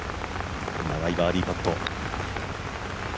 長いバーディーパット。